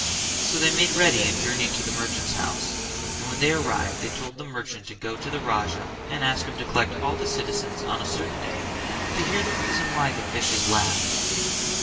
So they made ready and journeyed to the merchant's house; and when they arrived they told the merchant to go to the Raja and ask him to collect all the citizens on a certain day to hear the reason why the fishes laughed.